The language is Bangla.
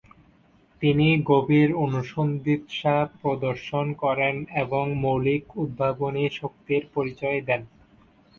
তিনি গভীর অনুসন্ধিৎসা প্রদর্শন করেন এবং মৌলিক উদ্ভাবনী শক্তির পরিচয় দেন।